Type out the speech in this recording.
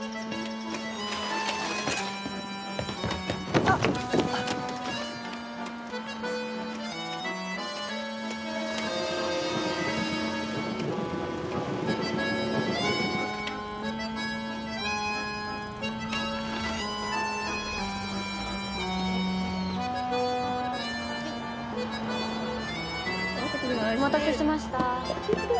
あっ！お待たせしました。